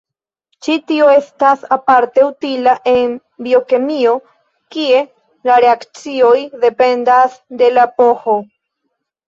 Ĉi tio estas aparte utila en biokemio, kie la reakcioj dependas de la pH.